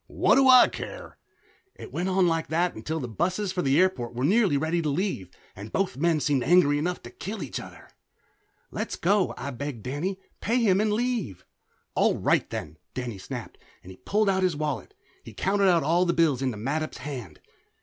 "What do I care?" It went on like that until the busses for the airport were nearly ready to leave and both men seemed angry enough to kill each other. "Let's go," I begged Danny. "Pay him and leave." "All right then!" Danny snapped, and pulled out his wallet. He counted out all his bills into Mattup's hand.